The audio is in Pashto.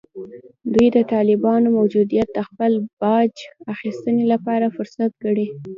دوی د طالبانو موجودیت د خپل باج اخیستنې لپاره فرصت ګڼي